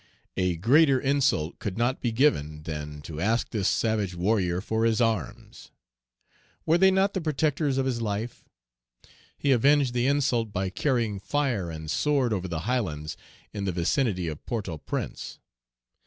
A greater insult could not be given than to ask this savage warrior for his arms. Were they not the protectors of his life? He avenged the insult by carrying fire and sword over the highlands in the vicinity of Port au Prince.